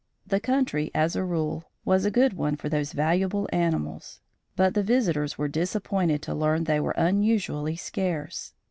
The country as a rule, was a good one for those valuable animals, but the visitors were disappointed to learn they were unusually scarce.